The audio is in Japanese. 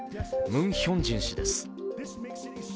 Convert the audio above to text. ムン・ヒョンジン氏です。